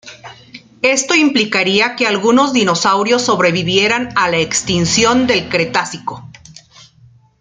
Esto implicaría que algunos dinosaurios sobrevivieron a la extinción del Cretácico.